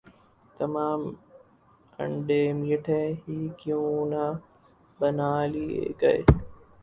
تمام انڈے میٹھے ہی کیوں نہ بنا لئے گئے